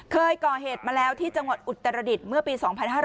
เคยก่อเหตุมาแล้วที่จังหวัดอุตรดิษฐ์เมื่อปี๒๕๕๙